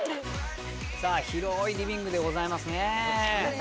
さぁ広いリビングでございますね。